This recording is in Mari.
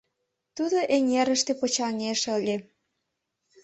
Тудо эҥерыште почаҥеш ыле.